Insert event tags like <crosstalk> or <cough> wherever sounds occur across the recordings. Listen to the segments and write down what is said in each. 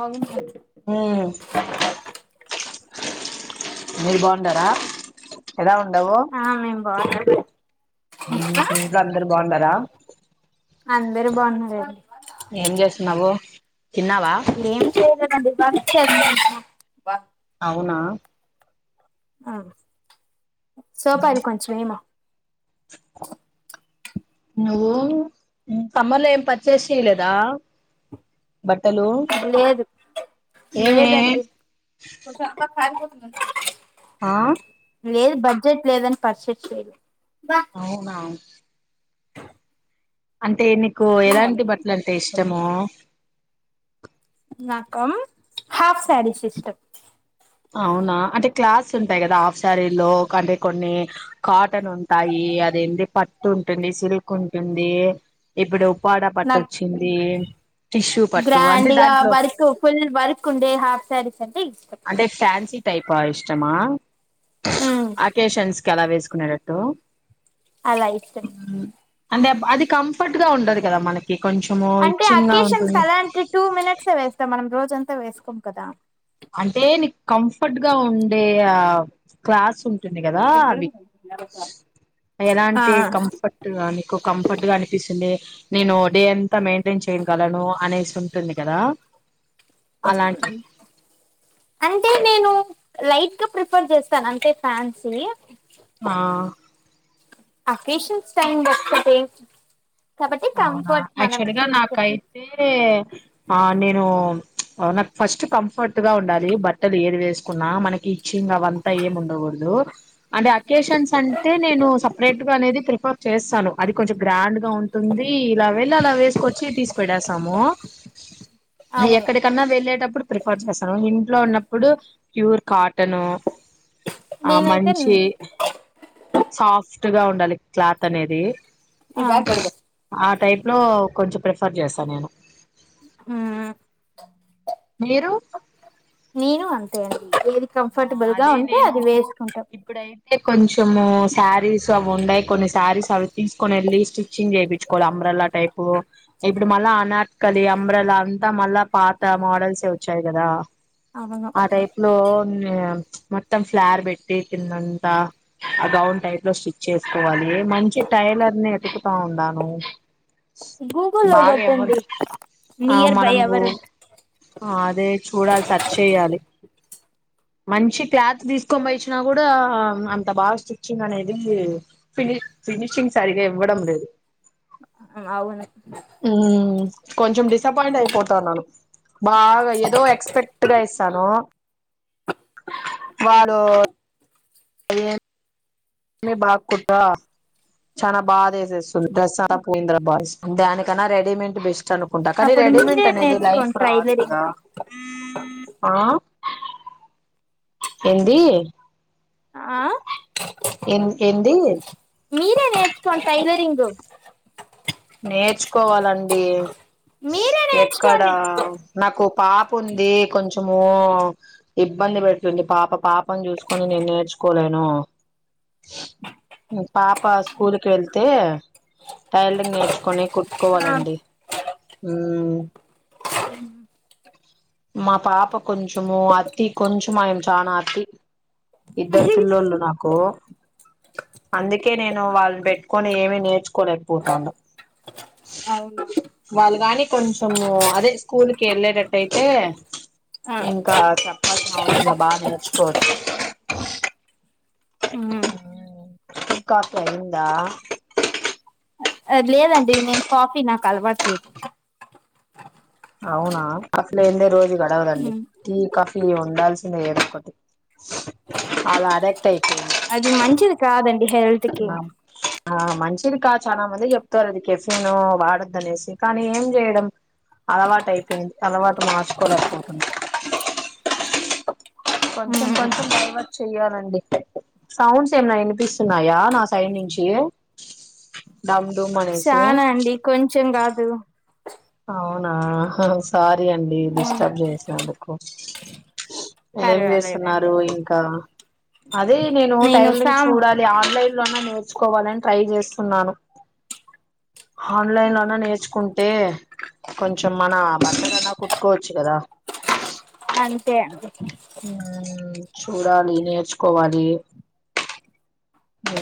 ఆవును మరి మ్మ్ మీరు బాగుండారా ఎలా ఉండవో వాగడ్ ఇంట్లో అందరు బాగుండారా అందరు బాగున్నారండి ఏం చేస్ నవో ఏం చేయలేదండి పచ్చడి చేసినాం అవునా ఆ సోపాయలు కొంచం ఏయిమా నువ్వు కమ్మంలో ఏం పరిచేస్ చెయలేదా లేదు ఏమే లేదండి అ ఆ లేదు బడ్జెట్ లేదని పర్చేస్ చేయలే అవునా అంటే నీకు ఎలాంటి బట్టలు అంటే ఇష్టము నాకం హాఫ్ శారీస్ ఇష్టం అవునా అంటే క్లాత్స్ ఉంటాయి కదా హాఫ్ సారీలో అంటే కొన్ని కాటన్ ఉంటాయి అదేంటి పట్టు ఉంటుంది సిల్క్ ఉంటుంది ఇప్పుడు ఉప్పాడ పట్టు నాకు వచ్చింది టిష్యూ పట్టు అంటే గ్ర్యాండ్గ దాంట్లో వర్క్ ఫుల్ వర్క్ ఉండే హాఫ్ శారీస్ అంటే ఇష్టం ట్యాన్సి టైపా ఇష్టమా ఉమ్ అకేషన్స్ చాలా వేసుకున్నాడట్టు అలా ఇష్టం అంటే అది కం అప్పట్ గా ఉండదు కదా మనకి కొంచెము అంటే ఇచ్చింగ్ గా అకేషన్స్ ఉంటుంది కలర్ కి టూ మినిట్స్ వేస్తాం మనం రోజంత్ త వేసుకోం కదా అంటే నీకు కంఫర్ట్ గా ఉండే ఆ క్లాస్ ఉం టుంది కదా అవి ఎలాంటి ఆ కంఫర్ట్ మీకు కంఫర్ట్ గా అనిపిస్తుంది నేను డే అన్ మెయింటైన్ చేయగలను అనేసి ఉంటుంది కదా అజ అలాంటివి అంటే నేను లైట్ గా ప్రిఫర్ చేస్తాను అంటే ఫ్యాన్సీ ఆ అకేషన్స్ టైం బర్తతే అవునా యాక్చువల్గా నాకైతే ఆ నేను అవు నాకు ఫస్ట్ కంఫర్ట్ గా ఉండాలి బట్టలు ఏది వేసుకున్నా మనకి ఇచ్చింగ్ అవంత ఏం ఉండకూడదు అంటే అకేషన్స్ అంటే నేను సపరేట్ గా అనేది ప్రిఫర్ చేస్తాను అది కొంచెం గ్రాండ్ గా ఉ అవుతుంది ఇలా వెళ్ళి అలా వేసుకొచ్చి తీసి పెటేసాము నేను అవును ఎక్కడికన్నా వెళ్ళేటప్పుడు ప్రిఫర్ చేస్తాను ఇన్ ఇంట్లో ఉన్నప్పుడు ప్యూర్ కాటన్ ఆ నేనైతే మంచి సాఫ్ట్ ట్టుగా ఉండాలి క్లాత్ అనేది ఆ ఆ టైప్ లో కొంచెం ప్రిఫర్ చేస్తానేను హ్మ్ మీరు నేను అంతే అండి వే ఆ అదే నేను ఇప్పుడైతే కొంచము శారీస్ అవి ఉన్నాయి కొన్ని శారీస్ అవి తీసుకొనిళ్ళి స్టిచ్చింగ్ చెపించు కోవాలి అంబ్రల్ల టైపు ఇప్పుడు మళ్ళా అనాట్కలి అంబ్రాల అంతా మళ్ళా పాత మోడల్స్వచ్చాయి కదా అవును ఆ టైప్ లో హ్మ్ మొత్తం ఫ్లయిర్ పెట్టి కిందంతా ఆ గౌన్ టైప్ లో స్టిచ్ చేసుకోవాలి ఏ మంచి టైలర్ ని ఎతుకుతా ఉండాను గూగుల్లో బాగా ఎవరు కొట్టండి ఆ నియర్ బై మనం ఎవరు అదే చూడాలి సర్చ్ చేయాలి మంచి క్లాత్ తీసుకొని పోయిచ్చినా కూడా అంత బాగా స్టిచ్చింగ్ అనేది ఫిని ఫినిషింగ్ సరిగా ఇవ్వడం లేదు అవును హ్మ్ కొంచెం డిసప్పాయింట్ అయిపోతాను నను బాగా ఏదో ఎక్స్పెక్ట్ గా ఇస్తాను వారు సర ఏమి బాగా కుటరా చాలా బాదేసేస్తుంది డ్రెస్ అంతా పోయింద బా దానికన్నా రెడీమేడ్ బెస్ట్ అను కుంటా కానీ అప్పుడు మీరే రెడీమెేంట్ అనేది లైఫ్ నేర్చుకోండి రాదు టైలరింగ్ కదా ఆ ఏంది ఆ ఎన్ ఎంది నే నేర్చుకోవాలి టైలరింగు నేర్చుకోవాలండి మీరే ఎక్కడ నేర్చుకోండి నాకు పాప ఉంది కొంచెం ము ఇబ్బంది పెడుతుంది పాప పాపని చూసుకొని నేను నేర్చుకోలేను పాప స్కూల్ కి వెళ్తే టైలరింగ్ నేర్ చ్ కొనీ ఆ కుట్టుకోవాలండి మ్మ్ మా పాప కొంచెము అతి కొంచెంమా చానా అతి, ఇద్దరు పిల్లలు నాకు అందుకే నేను వాళ్ళని పెట్టుకొని ఏమీ నేర్చుకోలేకపోతాండా వాళ్ళు కాని కొంచము అదే స్కూల్కి వెళ్ళేటట్టుయై తే ఇంకా చెప్పాల్సిన అవసరంలే బా నేర్చుకోవచ్చు మ్మ్ ఇంకా పోయిందా లేదండి నేను కాఫీ నాకు అలవట్లేదు అవునా, కాఫీ లేందే రోజు గడవదండి టీ కాఫీ ఉండాల్సిందే ఏదో ఒకటి అలా అడిక్ట్ అయిపోంది అది మంచిది కాదం హేల్త్కి ఆ మంచిది కాద్ చాలా మంది చెప్తారు అది కెఫీన్ వాడోద్దనేసి కానీ ఏం చేయడం అలవాటు అయిపోయింది అలవాటు మార్చుకోలేకపోతున్నా కొంచెం కొంచెం డైవర్ట్ చెయ్యాలండి సౌండ్స్ ఏమైన వినిపిస్తున్నాయా నా సైడ్ నుంచి డూమ్ అనేసి చనా అండి కొంచెం కాదు అవునా హస్ సారీ అండి డిస్టర్బ్ చేసినందుకు ఏం చేస్తున్నారు పర్వాలేదండి ఇంకా అదే నేను టైలరింగ్ చూడాలి ఆన్లైన్ లో ఐన నే నేర్చుకోవాలని ట్రై చేస్తున్నాను ఆన్లైన్ లోనే నేర్చుకుంటే కొంచెం మన బట్టలన్నా కుట్టుకోవచ్చు కదా ఆ అంతే అంతే చూడాలీ నే కోవాలి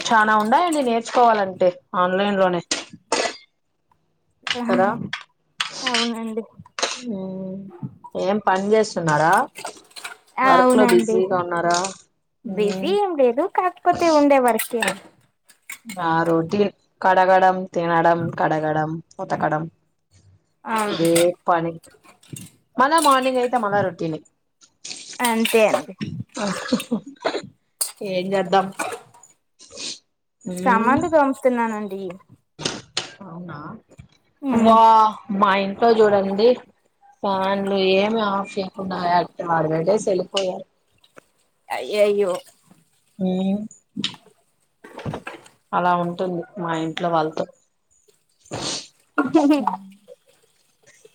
చానా ఉన్నాయండి నేర్చుకోవాలంటే లైన్ లోనే కదా ఆహ్ అవునండి ఏం ప పని చేస్ అవునండి బిజీగా ఉన్నారా బిజీ ఏం లేదు కాకపోతే ఉండే వర్కే బా రోటీ ఎ కర్ అడగడం తినడం కడగడం ఉతకడం అవును ఇదే పని మళ మార్నింగ్ అయితే మన రొటీని అంతే అండి ఏం చేద్దాం సామాన్లు దోంతున్నానండి డి అవునా వా మా ఇంట్లో చూడండి ఫ్యాన్లు ఏమి ఆఫ్ చేయకుండా అట్ వాళ్ళు వెళేసి వెళ్ళిపోయారు అయ్యయ్యో హ్మ్మ్ టుంది మా ఇంట్లో వాళ్ళతో అ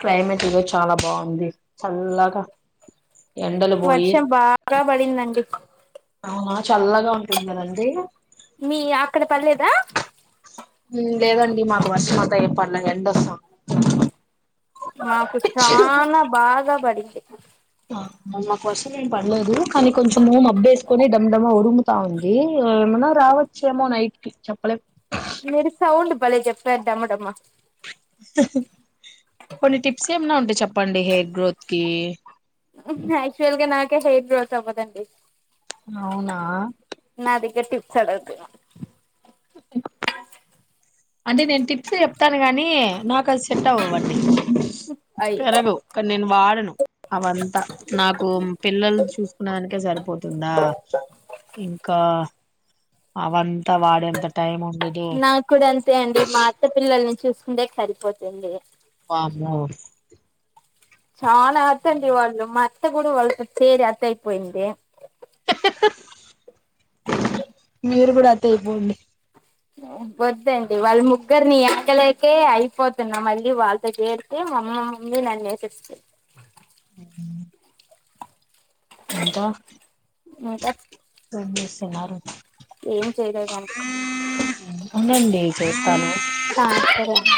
క్లైమేట్ ఈ రోజు చాలా బాగుంది చల్లగా ఎండలు పోయి గా పడిందండి అవునా చల్లగా ఉంటుంది కదండి మీ అక్కడ పడలేదా హుమ్ లేదండి మాకు వర్షం అటా ఏం పడలేదండీ ఎండ సా మాకు చానా బాగా పడి <unintelligible> మల్ల వర్షం ఏం పడలేదు కానీ కొంచెము మబ్బేసుకొని డండం ఉరుము స్తా ఉంది ఏమనా రావచ్చేమో నైట్ కి చెప్పలేం మీరు సౌండ్ భలే చెప్పారు డమడమ కొన్ని టిప్స్ ఏమన్నా ఉంటే చెప్పండి హెయిర్ గ్రోత్ కి ఆక్చువల్గా నాకే హెయిర్ గ్రోత్ అవ్వదండి అవునా ఇక టిప్స్ అడగాదు ఇంగ అంటే నేన్ టిప్స్ చెప్తాను కాని నాకు అది సట్ అవవు చెప్పండి అయ్యో పెరగవ్ కానీ నేను వాడను అవంతా నాకు పిల్లలు చూసుకున్న దానికే సరిపోతుందా ఇంకా అవంత వాడేంత టైమ్ ఉ నాకు కూడా అంతే అండి మా అత్త పిల్లల ను చూసుకుండేకి సరిపోతుంది వామ్మో చాలా వచ్చండి వాళ్ళు మ అత్త కూడా వాళ్లతో సేరి అత్త అయిపోయిందే అహ్ అహ్ మీరు కూడా అత్త అయిపోండి వద్దండి వాళ్ళ ముగ్గురిని ఏగలేకే అయిపోతున్నా మళ్ళీ వాళ్ళతో జేరితే మమ్మ మమ్మని నన్ను ఏసేస్త ఇంకా ఇంకా సన్నారు ఏం చేయలేదండి అవునండి చేస్తాను ఆ సరే అండి